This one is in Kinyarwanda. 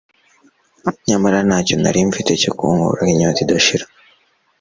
nyamara ntacyo nari mfite cyo kunkuraho inyota idashira